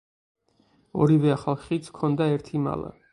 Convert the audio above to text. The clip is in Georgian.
ორივე ახალ ხიდს ჰქონდა ერთი მალა.